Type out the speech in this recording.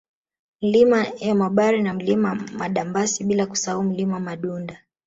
Milima ya Mabare na Mlima Madambasi bila kusahau Mlima Madunda